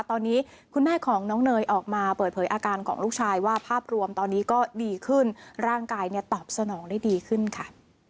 ตอนนี้คุณแม่ของน้องเนยออกมาเปิดเผยอาการของลูกชายว่าภาพรวมตอนนี้ก็ดีขึ้นร่างกายเนี่ยตอบสนองได้ดีขึ้นค่ะ